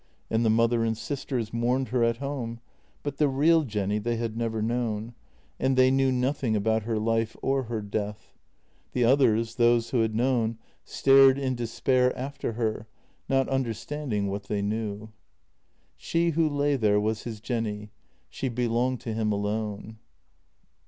And the mother and sisters mourned her at home, but the real Jenny they had never known, and they knew nothing about her JENNY 296 life or her death. The others — those who had known — stared in despair after her, not understanding what they knew. She who lay there was his Jenny; she belonged to him alone.